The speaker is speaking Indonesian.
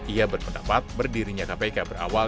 ia berpendapat berdirinya kpk berawal